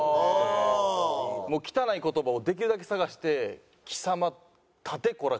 もう汚い言葉をできるだけ探して「貴様立てコラ！